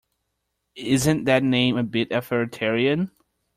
Isn’t that name a bit authoritarian?